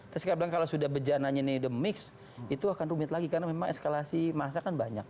terus kadang bilang kalau sudah bejananya ini udah mix itu akan rumit lagi karena memang eskalasi masa kan banyak